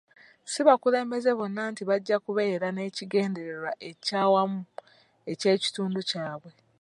Si bakulembeze bonna nti bajja kubeera n'ekigendererwa eky'awamu eky'ekitundu kyabwe.